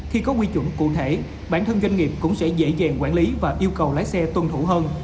khi có quy chuẩn cụ thể bản thân doanh nghiệp cũng sẽ dễ dàng quản lý và yêu cầu lái xe tuân thủ hơn